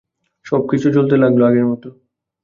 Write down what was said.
সবকিছু চলতে লাগল আগের মতো।